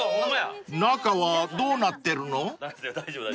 ［中はどうなってるの？］